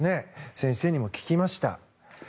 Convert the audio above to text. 先生にも聞きました。